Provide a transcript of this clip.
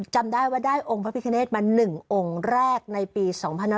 จำได้ว่าได้องค์พระพิคเนธมา๑องค์แรกในปี๒๕๕๙